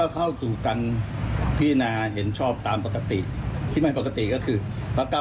ฟังให้ดีนะครับแล้วก็อย่าไปแตะอย่าไปยุ่งกับสถาบันนะครับ